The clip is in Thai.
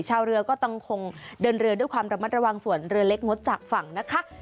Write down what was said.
ชาวเรือก็ต้องคงเดินเรือด้วยความระมัดระวังส่วนเรือเล็กงดจากฝั่งนะคะ